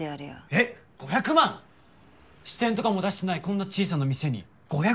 えっ５００万⁉支店とかも出してないこんな小さな店に５００万なんてあるわけ。